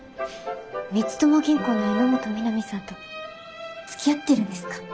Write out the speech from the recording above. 光友銀行の榎本美波さんとつきあってるんですか？